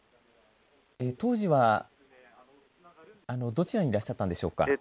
当時はどちらにいらっしゃったんでしょうか。